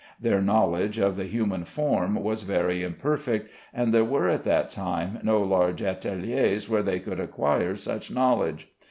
Their knowledge of the human form was very imperfect, and there were at that time no large ateliers where they could acquire such knowledge.